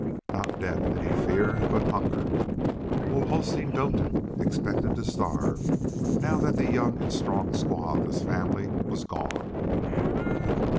Not death did he fear, but hunger! Old Hosteen Doetin expected to starve, now that the young and strong squaw of his family was gone.